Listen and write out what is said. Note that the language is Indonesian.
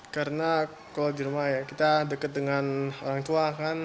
karena kalau di rumah ya kita dekat dengan orang tua kan